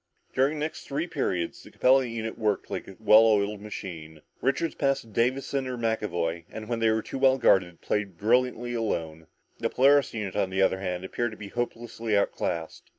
During the next three periods, the Capella unit worked like a well oiled machine. Richards passed to Davison or McAvoy, and when they were too well guarded, played brilliantly alone. The Polaris unit, on the other hand, appeared to be hopelessly outclassed.